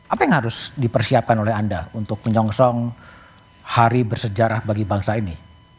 apa yang harus dipersiapkan oleh anda untuk menyongsong hari bersejarah bagi bangsa ini